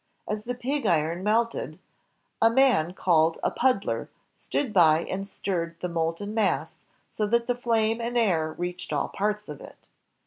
As the pig iron melted, a man called a puddler stood by and stirred the molten mass so that the flame and air reached all parts of it.